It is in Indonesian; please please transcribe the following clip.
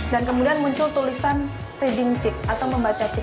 dan kemudian muncul tulisan reading chip atau membaca chip